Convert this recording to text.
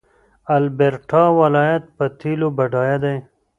د البرټا ولایت په تیلو بډایه دی.